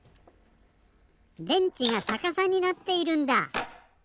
電池がさかさになっているんだ。